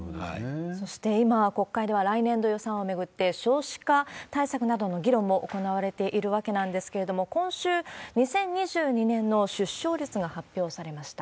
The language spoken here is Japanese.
そして今、国会では来年度予算案を巡って、少子化対策などの議論も行われているわけなんですけれども、今週、２０２２年の出生率が発表されました。